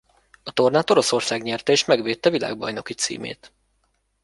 A tornát Oroszország nyerte és megvédte világbajnoki címét.